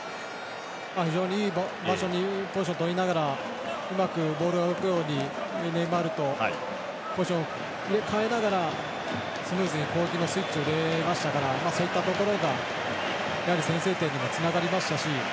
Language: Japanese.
非常にいい場所にポジションをとりながらうまくボールが動くようにネイマールとポジションを入れ替えながらスムーズに攻撃のスイッチを入れましたからそういったところがやはり先制点にもつながりましたし